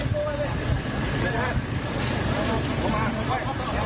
อันดับสุดท้ายก็คืออันดับสุดท้าย